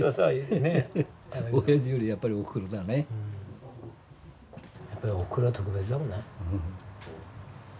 やっぱりおふくろは特別だもんな。